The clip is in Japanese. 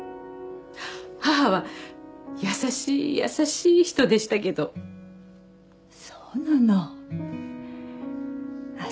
母は優しい優しい人でしたけどそうなのあっ